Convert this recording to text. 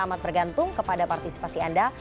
amat bergantung kepada partisipasi anda